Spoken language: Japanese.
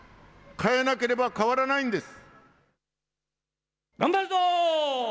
変えなければ変わらないんです。